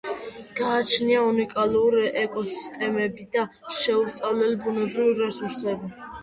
გააჩნია უნიკალური ეკოსისტემები და შეუსწავლელი ბუნებრივი რესურსები.